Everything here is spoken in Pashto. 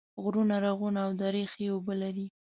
غرونه، رغونه او درې ښې اوبه لري